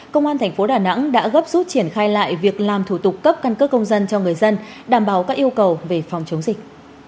công an thành phố đà nẵng đã gấp rút triển khai lại việc làm thủ tục cấp căn cước công dân cho người dân đảm bảo các yêu cầu về phòng chống dịch